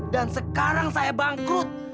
dan sekarang saya bangkrut